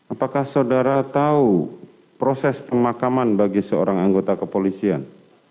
apakah saudara tahu proses pemakaman bagi seorang anggota kepolisian